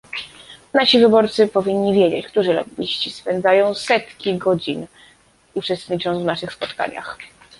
Nasi wyborcy powinni wiedzieć, którzy lobbyści spędzają setki godzin, uczestnicząc w naszych spotkaniach